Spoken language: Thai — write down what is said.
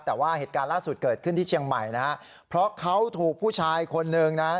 แต่ว่าเหตุการณ์ล่าสุดเกิดขึ้นที่เชียงใหม่นะฮะเพราะเขาถูกผู้ชายคนหนึ่งนะฮะ